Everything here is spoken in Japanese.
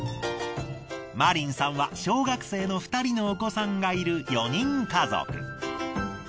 マリンさんは小学生の２人のお子さんがいる４人家族。